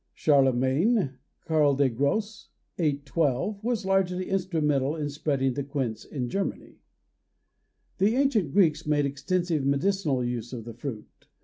Charlemagne, Karl der Grosse 812, was largely instrumental in spreading the quince in Germany. The ancient Greeks made extensive medicinal use of the fruit.